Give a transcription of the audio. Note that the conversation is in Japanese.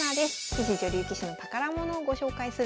棋士女流棋士の宝物をご紹介するコーナー。